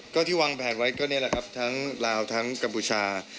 ก็ที่วางแผนไว้ก็นี่แหละครับทั้งลาวทั้งกัมพูชา